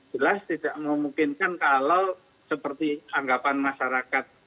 jelas tidak memungkinkan kalau seperti anggapan masyarakat